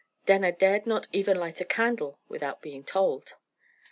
Denner dared not even light a candle without being told.